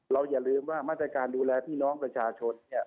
อย่าลืมว่ามาตรการดูแลพี่น้องประชาชนเนี่ย